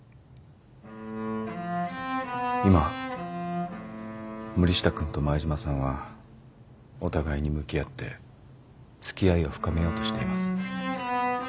今森下くんと前島さんはお互いに向き合ってつきあいを深めようとしています。